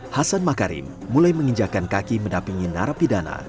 hasan makarim mulai menginjakan kaki menampingi narapidana